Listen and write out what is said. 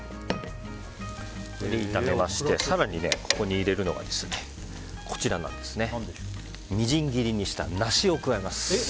更に、ここに入れるのがみじん切りにした梨を加えます。